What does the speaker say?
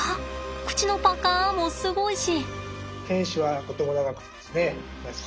口のパカもすごいし。